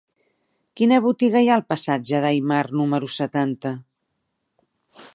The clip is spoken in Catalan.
Quina botiga hi ha al passatge d'Aymar número setanta?